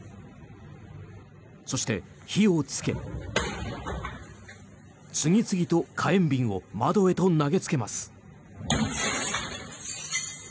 そして、火をつけ次々と火炎瓶を窓へと投げつけます。